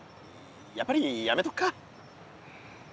やっぱりやめとくか？